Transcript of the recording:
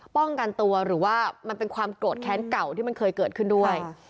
ป้องกันตัวหรือว่ามันเป็นความโกรธแค้นเก่าที่มันเคยเกิดขึ้นด้วย